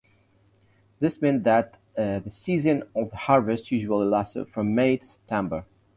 This meant that the Season of the Harvest usually lasted from May to September.